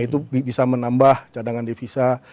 itu bisa menambah cadangan devisa